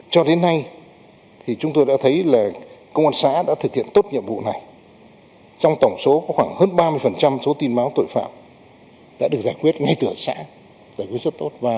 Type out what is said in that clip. cho đến nay thì chúng tôi đã thấy là công an xã